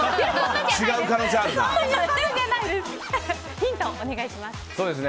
ヒントをお願いします。